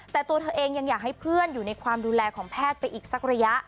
แต่ตัวเธอเองยังอยากให้เพื่อนอยู่ในความดูแลของแพทย์ไปอีกสักระยะ